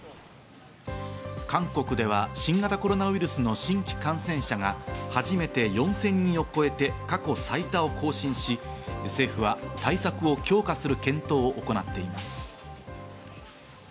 韓国では新型コロナウイルスの新規感染者が初めて４０００人を超えて過去最多を更新し、政府は対策を強化する検討を行っています。